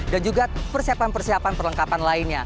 dan juga persiapan persiapan perlengkapan lainnya